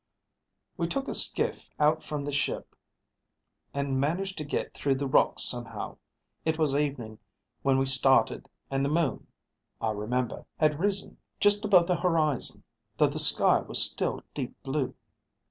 "We took a skiff out from the ship and managed to get through the rocks somehow. It was evening when we started and the moon, I remember, had risen just above the horizon, though the sky was still deep blue.